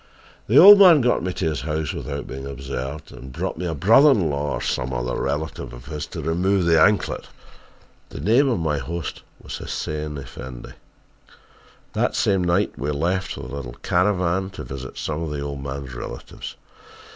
"The old man got me to his house without being observed, and brought a brother in law or some relative of his to remove the anklet. The name of my host was Hussein Effendi. "That same night we left with a little caravan to visit some of the old man's relatives.